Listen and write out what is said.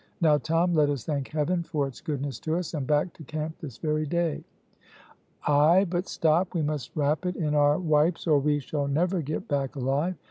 Now, Tom, let us thank Heaven for its goodness to us, and back to camp this very day." "Ay! but stop, we must wrap it in our wipes or we shall never get back alive.